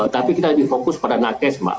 tapi kita lebih fokus pada nakis pak